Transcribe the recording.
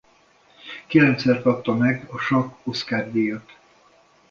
Kilencszer kapta meg a Sakk-Oscar-díjat.